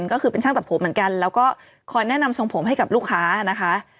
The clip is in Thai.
ก็คือเป็นช่างตัดผมเหมือนกันแล้วก็คอยแนะนำทรงผมให้กับลูกค้านะคะ